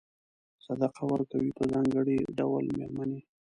صدقه ورکوي په ځانګړي ډول مېرمنې.